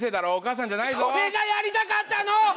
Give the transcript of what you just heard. それがやりたかったの！